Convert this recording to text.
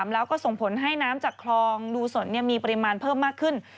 แล้วก็ส่งผลให้น้ำจากคลองดูสนมีปริมาณเพิ่มมากขึ้น